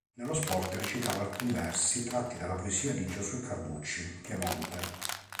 Nello spot recitava alcuni versi tratti dalla poesia di Giosuè Carducci "Piemonte".